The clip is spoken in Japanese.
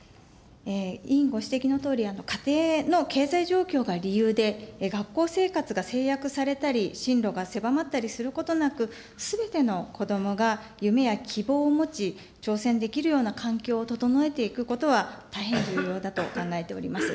委員ご指摘のとおり、家庭の経済状況が理由で、学校生活が制約されたり進路が狭まったりすることなく、すべての子どもが夢や希望を持ち、挑戦できるような環境を整えていくことは、大変重要だと考えております。